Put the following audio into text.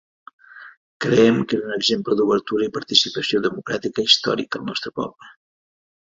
Creiem que és un exemple d’obertura i participació democràtica històric al nostre poble.